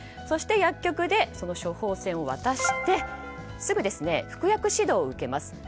そして薬局で処方箋を渡して、すぐ服薬指導を受けます。